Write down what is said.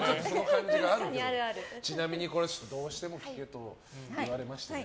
ちなみに、これをどうしても聞けと言われまして。